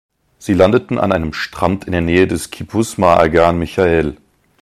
Sie landeten an einem Strand in der Nähe des Kibbuz Ma’agan Micha’el.